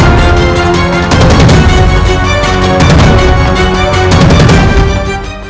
aku akan menjadikanmu penyakit